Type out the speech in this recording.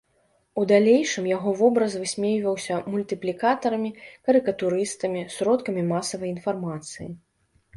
У далейшым яго вобраз высмейваўся мультыплікатарамі, карыкатурыстамі, сродкамі масавай інфармацыі.